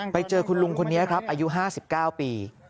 ไปเจอคุณลุงคนนี้ครับอายุ๕๙ปี